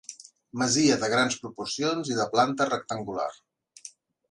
Masia de grans proporcions i de planta rectangular.